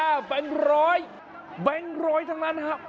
แบงค์ร้อยแบงค์ร้อยทั้งนั้นครับ